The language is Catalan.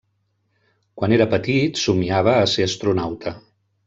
Quan era petit somniava a ser astronauta.